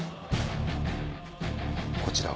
こちらを。